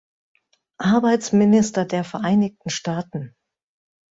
Arbeitsminister der Vereinigten Staaten.